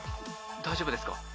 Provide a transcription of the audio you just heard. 大丈夫ですか？